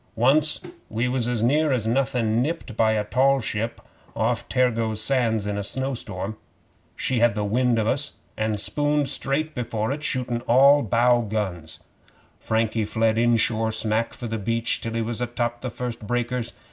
Once we was as near as nothin' nipped by a tall ship off Tergoes Sands in a snowstorm. She had the wind of us, and spooned straight before it, shootin' all bow guns. Frankie fled inshore smack for the beach, till he was atop of the first breakers.